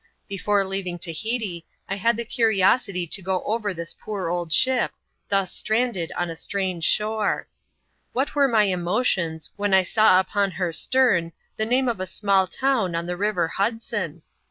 Before leaving Tahiti, I had the curiosity to go over this poor old ship, thus stranded on a strange shore. What were my emotions, when I saw upon her stem the name of a small town on the river Hudson!